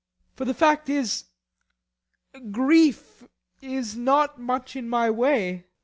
For the fact is, grief is not much in my way.